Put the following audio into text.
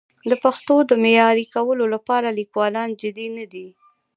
د پښتو د معیاري کولو لپاره لیکوالان جدي نه دي.